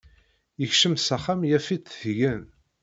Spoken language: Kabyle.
Yekcem s axxam yaf-itt tgen.